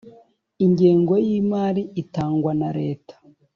Ingengo y imari itangwa na Leta